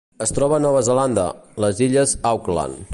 Es troba a Nova Zelanda: les illes Auckland.